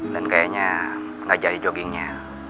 dan kayaknya nggak jadi joggingnya